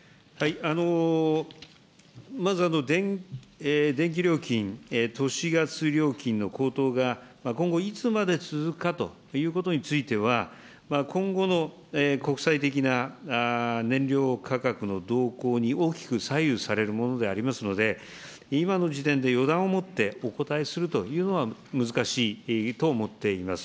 まず電気料金、都市ガス料金の高騰が今後いつまで続くかということについては、今後の国際的な燃料価格の動向に大きく左右されるものでありますので、今の時点で予断を持ってお答えするというのは、難しいと思っています。